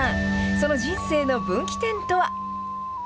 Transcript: その人生の分岐点とは。